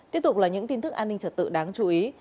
tiếp tục là những tin tức an ninh trật tự đáng chú ý